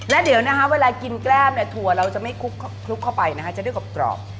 แล้วเดี๋ยวนะคะเวลากินแก้มเนี่ยถั่วเราจะไม่คลุกเข้าไปนะคะจะได้กรอบ